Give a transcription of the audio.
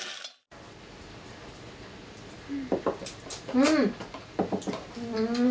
うん！